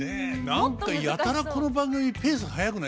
何かやたらこの番組ペース速くないですか？